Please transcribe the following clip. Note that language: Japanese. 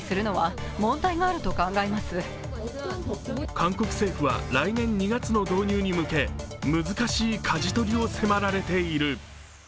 韓国政府は来年２月の導入に向け難しいかじ取りを迫られている。